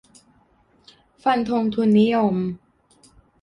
'ฟันธงทุนนิยม'